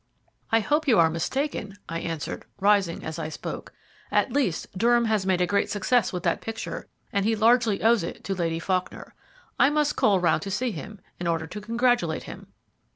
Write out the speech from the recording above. "I hope you are mistaken," I answered, rising as I spoke. "At least, Durham has made a great success with that picture, and he largely owes it to Lady Faulkner. I must call round to see him, in order to congratulate him."